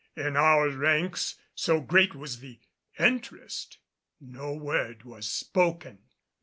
In our ranks, so great was the interest, no word was spoken.